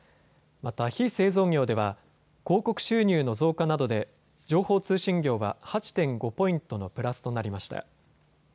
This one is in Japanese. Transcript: また非製造業では広告収入の増加などで情報通信業は８．５ポイントのプラスとなりました。